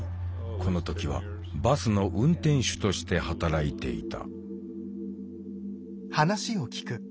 この時はバスの運転手として働いていた。